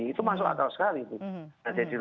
itu masuk akal sekali